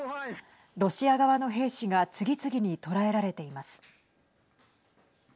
ロシア側の兵士が次々に捕らえられています。